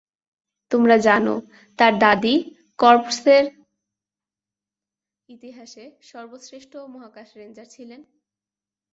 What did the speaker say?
তোমরা জানো, তার দাদী কর্পসের ইতিহাসে সর্বশ্রেষ্ঠ মহাকাশ রেঞ্জার ছিলেন?